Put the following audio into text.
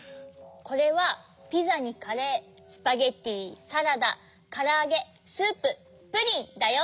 これはピザにカレースパゲッティサラダからあげスーププリンだよ。